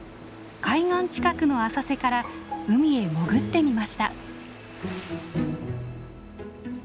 海岸近くの浅瀬から海へ潜ってみました。